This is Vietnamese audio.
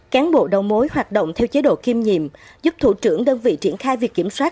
cán bộ đầu mối hoạt động theo chế độ kiêm nhiệm giúp thủ trưởng đơn vị triển khai việc kiểm soát